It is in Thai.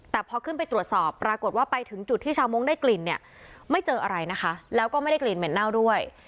แต่พอขึ้นไปตรวจสอบปรากฏว่าไปถึงจุดที่ชาวมงค์ได้กลิ่นเนี่ยไม่เจออะไรนะคะแล้วก็ไม่ได้กลิ่นเหม็นเน่าด้วย